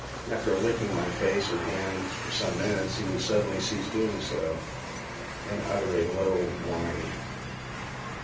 After licking my face and hands for some minutes, he would suddenly cease doing so, and utter a low whine.